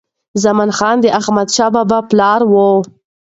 زمان خان د احمدشاه بابا پلار و.